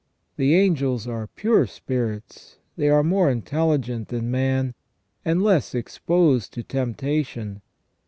The angels are pure spirits ; they are more intelligent than man, and less exposed to temptation.